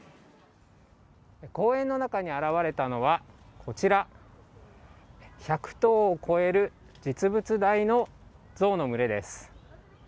公園の中に現れたのは、こちら、１００頭を超える実物大の象の群れです。